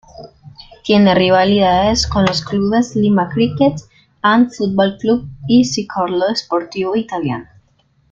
Tiene rivalidades con los clubes: Lima Cricket and Football Club y Circolo Sportivo Italiano.